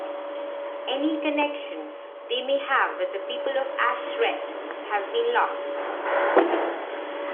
Any connection they may have with the people of Ashret has been lost.